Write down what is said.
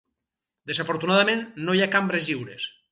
Desafortunadament no hi ha cambres lliures.